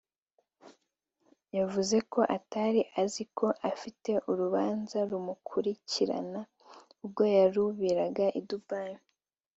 yavuze ko atari azi ko afite urubanza rumukurikirana ubwo yarubiraga i Dubai